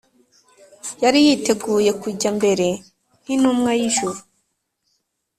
Yari yiteguye kujya mbere nk’intumwa y’ijuru